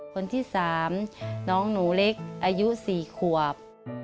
คนที่๓น้องหนูเล็กอายุ๔ขวบ